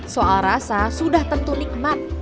soal rasa sudah tentu nikmat